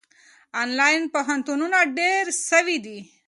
آنلاین پوهنتونونه ډېر سوي دي.